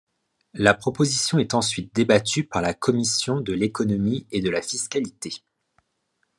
La proposition est ensuite débattue par la commission de l'économie et de la fiscalité.